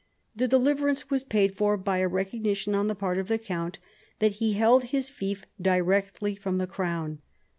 The deliverance was paid for by a re cognition on the part of the count that he held his fief directly from the crown.